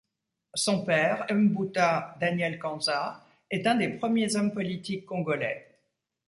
Son père Mbuta Daniel Kanza est un des premiers hommes politiques congolais.